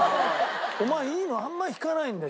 お前いいのあんまり引かないんだよ。